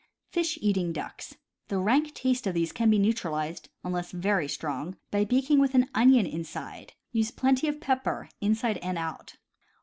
Fish eating Ducks. — The rank taste of these can be neutralized, unless very strong, by baking with an onion inside. Use plenty of pepper, inside and out.